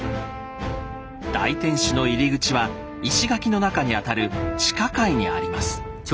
大天守の入り口は石垣の中にあたる地下階にあります。